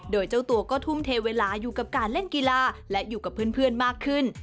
โดยเจ้าตัวก็ทุ่มเทเวลาอยู่กับการเล่นกีฬาและอยู่กับเพื่อนมากขึ้น